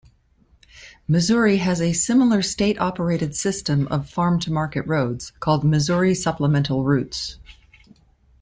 Missouri has a similar state-operated system of farm-to-market roads, called Missouri supplemental routes.